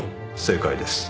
正解です。